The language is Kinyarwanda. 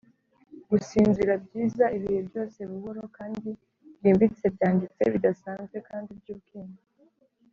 gusinzira, byiza, ibihe byose, buhoro kandi bwimbitse, byanditse bidasanzwe kandi byubwenge,